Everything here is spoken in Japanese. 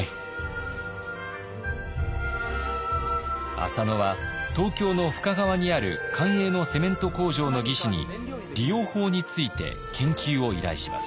浅野は東京の深川にある官営のセメント工場の技師に利用法について研究を依頼します。